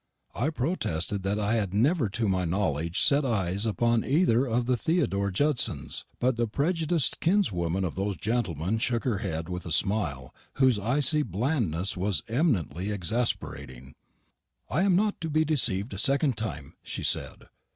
I protested that I had never to my knowledge set eyes upon either of the Theodore Judsons; but the prejudiced kinswoman of those gentlemen shook her head with a smile whose icy blandness was eminently exasperating. "I am not to be deceived a second time," she said.